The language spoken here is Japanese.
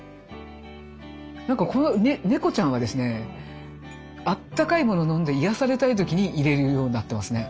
なんかこの猫ちゃんはですねあったかいもの飲んで癒やされたい時に入れるようになってますね。